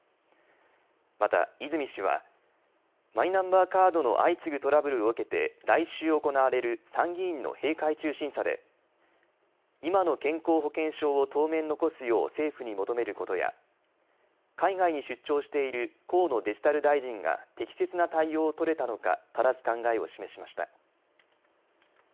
また泉氏はマイナンバーカードの相次ぐトラブルを受けて来週、行われる参議院の閉会中審査で今の健康保険証を当面残すよう政府に求めることや海外に出張している河野デジタル大臣が適切な対応を取れたのかただす考えを示しました。